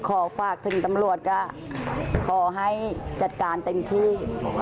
ขอฝากถึงตำรวจก็ขอให้จัดการเต็มที่